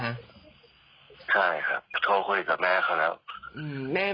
ใช่ครับโทรคุยกับแม่เขาแล้วอืมแม่